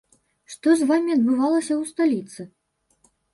Што з вамі адбывалася ў сталіцы?